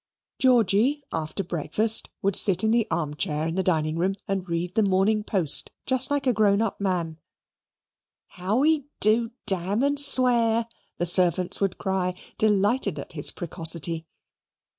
Georgy, after breakfast, would sit in the arm chair in the dining room and read the Morning Post, just like a grown up man. "How he DU dam and swear," the servants would cry, delighted at his precocity.